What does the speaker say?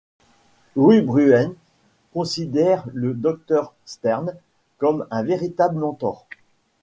Louis Bruens considère le Dr Stern comme un véritable mentor.